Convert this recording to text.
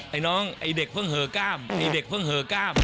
ไอ้น้องไอ้เด็กเพิ่งเหอกล้ามนี่เด็กเพิ่งเหอกล้าม